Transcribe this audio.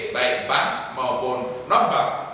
baik bank maupun non bank